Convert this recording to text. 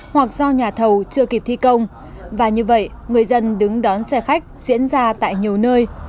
hoặc do nhà thầu chưa kịp thi công và như vậy người dân đứng đón xe khách diễn ra tại nhiều nơi